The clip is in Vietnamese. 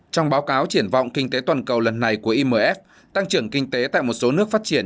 trong báo cáo triển vọng kinh tế toàn cầu lần này của imf tăng trưởng kinh tế tại một số nước phát triển